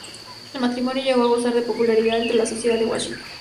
El matrimonio llegó a gozar de popularidad entre la sociedad de Washington.